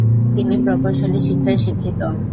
তিনি প্রকৌশলী শিক্ষায় শিক্ষিত।